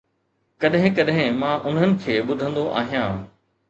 ڪڏهن ڪڏهن مان انهن کي ٻڌندو آهيان.